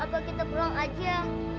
apa kita pulang aja